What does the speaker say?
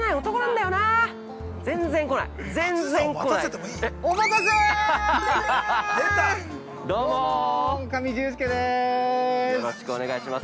◆よろしくお願いします。